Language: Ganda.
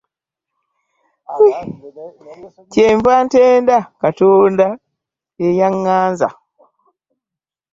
Kye nva ntenda Katonda eyaŋŋanza.